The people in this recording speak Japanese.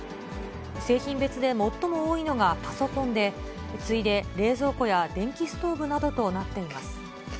製品別で最も多いのがパソコンで、次いで冷蔵庫や電気ストーブなどとなっています。